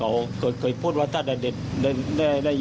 อันนี้ผมว่ามันเป็นอย่างให้ง่าย